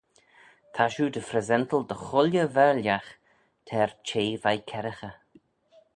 Ta shiu dy phresental dy chooilley vaarliagh t'er çhea veih kerraghey.